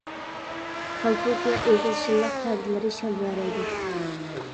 كالپۇك ۋە ئېغىز شىللىق پەردىلىرى شەلۋەرەيدۇ.